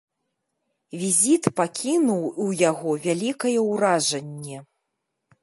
Візіт пакінуў у яго вялікае ўражанне.